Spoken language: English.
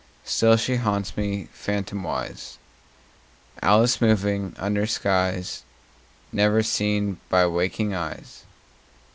Still she haunts me, phantomwise, Alice moving under skies Never seen by waking eyes.